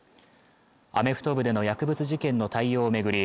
アメフト部での薬物事件の対応を巡り